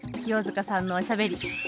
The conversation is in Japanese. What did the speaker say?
清塚さんのおしゃべり。